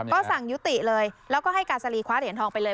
ก็สั่งยุติเลยแล้วก็ให้กาซาลีคว้าเหรียญทองไปเลย